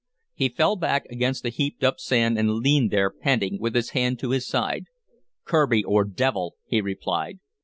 He fell back against the heaped up sand and leaned there, panting, with his hand to his side. "Kirby or devil," he replied.